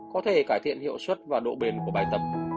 có thể cải thiện hiệu suất và độ bền của bài tập